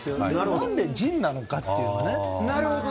何で人なのかっていうね。